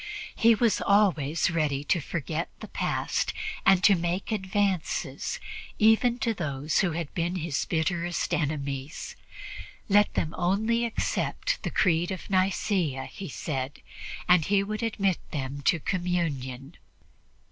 He was always ready to forget the past and to make advances even to those who had been his bitterest enemies. Let them only accept the Creed of Nicea, he said, and he would admit them to communion.